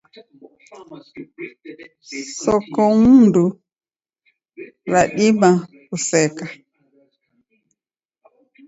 Sokomndu radima kuseka.